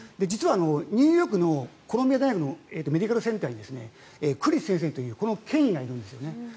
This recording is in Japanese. ニューヨークのコロンビア大学のメディカルセンターにクリス先生という権威がいるんですね。